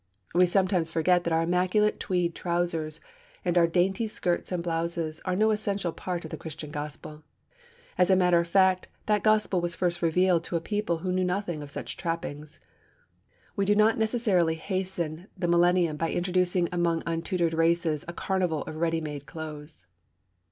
We sometimes forget that our immaculate tweed trousers and our dainty skirts and blouses are no essential part of the Christian gospel. As a matter of fact, that gospel was first revealed to a people who knew nothing of such trappings. We do not necessarily hasten the millennium by introducing among untutored races a carnival of ready made clothes.